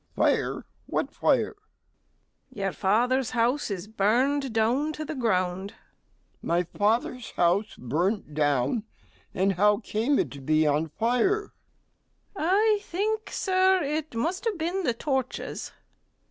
MR. G. Fire! what fire? STEWARD. Your father's house is burned down to the ground. MR. G. My father's house burnt down! and how came it to be on fire? STEWARD. I think, Sir, it must have been the torches.